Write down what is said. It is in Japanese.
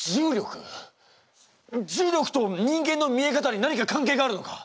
重力と人間の見え方に何か関係があるのか？